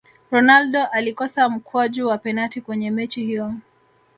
ronaldo alikosa mkwaju wa penati kwenye mechi hiyo